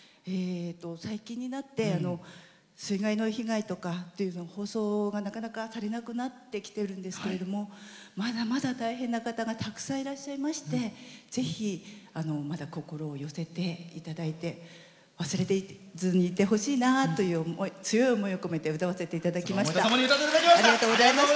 最近になって水害の被害とか放送が、なかなかされなくなってきているんですけれどもまだまだ大変な方がたくさんいらっしゃいましてぜひ、まだ心を寄せていただいて忘れずにいてほしいなという強い思いを込めて歌わせていただきました。